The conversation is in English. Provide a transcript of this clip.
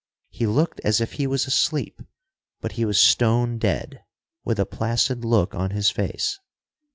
He looked as if he was asleep, but he was stone dead, with a placid look on his face.